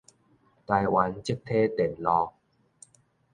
台灣積體電路